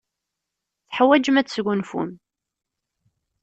Teḥwajem ad tesgunfum.